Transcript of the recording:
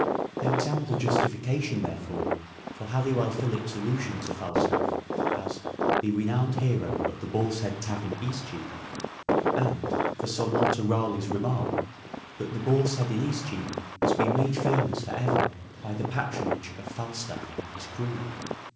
There is ample justification, therefore, for Halliwell Phillipps's allusion to Falstaff as " the renowned hero of the 400 "SHAKESPEARE" IDENTIFIED Boar's Head Tavern, Eastcheap," and for Sir Walter Raleigh's remark that " the Boar's Head in Eastcheap has been made famous for ever by the patronage of Falstaff and his crew."